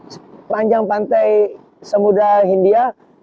sepanjang pantai semudra hindia